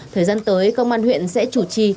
thời gian tới công an huyện sẽ chủ trì